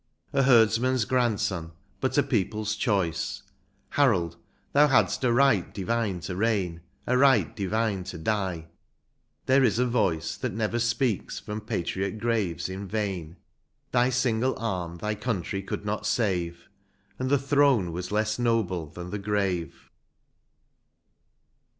A herdsman's grandson, but a people's choice ; Harold, thou hadst a right divine to reign, A right divine to die : there is a voice That never speaks from patriot graves in vain ; Thy single arm thy country could not save. And the throne was less noble than the grave.